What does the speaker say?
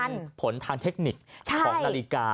เป็นผลทางเทคนิคของนาฬิกา